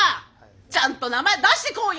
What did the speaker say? ちゃんと名前出してこうよ。